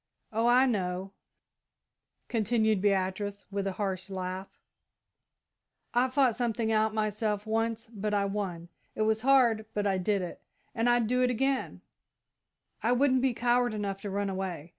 Oh, I know," continued Beatrice, with a harsh laugh; "I fought something out myself once, but I won. It was hard, but I did it, and I'd do it again I wouldn't be coward enough to run away.